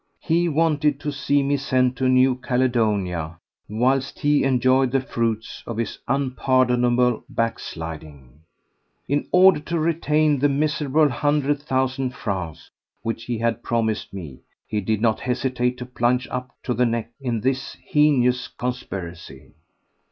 He wanted to see me sent to New Caledonia, whilst he enjoyed the fruits of his unpardonable backsliding. In order to retain the miserable hundred thousand francs which he had promised me he did not hesitate to plunge up to the neck in this heinous conspiracy.